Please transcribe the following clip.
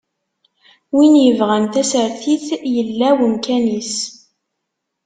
Win yebɣan tasertit, yella wemkan-is.